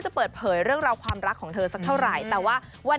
จะเปิดเผยเรื่องราวความรักของเธอสักเท่าไหร่แต่ว่าวัน